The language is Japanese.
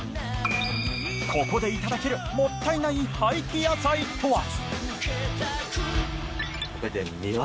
ここでいただけるもったいない廃棄野菜とは？